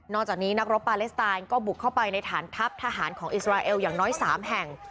จากนี้นักรบปาเลสไตนก็บุกเข้าไปในฐานทัพทหารของอิสราเอลอย่างน้อย๓แห่ง